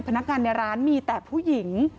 พนักงานในร้านมีแต่ผู้หญิง